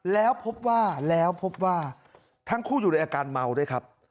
แล้วพบว่าแล้วพบว่าทั้งคู่อยู่ในอาการเมาด้วยครับ